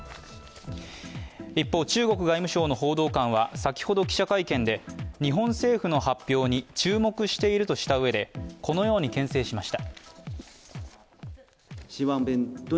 一方、中国外務省の報道官は先ほど記者会見で、日本政府の発表に注目しているとしたうえでこのようにけん制しました。